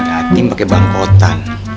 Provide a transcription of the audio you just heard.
yatim pake bangkotan